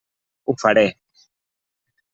Ho faré.